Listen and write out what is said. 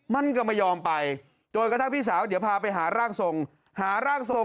มันก็ไม่ยอมไปจนกระทั่งพี่สาวเดี๋ยวพาไปหาร่างทรงหาร่างทรง